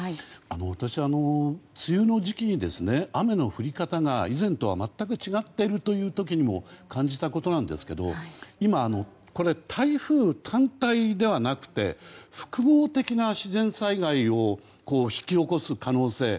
私、梅雨の時期に雨の降り方が以前とは全く違っているという時にも感じたことなんですけど今、台風単体ではなくて複合的な自然災害を引き起こす可能性。